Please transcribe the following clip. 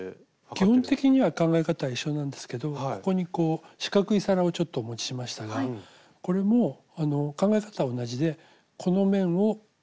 基本的には考え方は一緒なんですけどここにこう四角い皿をちょっとお持ちしましたがこれも考え方は同じでこの面を形を同じように測る。